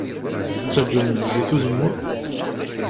Tettaǧwem-d zzit n uzemmur?